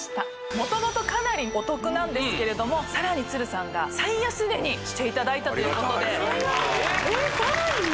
元々かなりお得なんですけれどもさらにさんが最安値にしていただいたということで最安値えっさらに？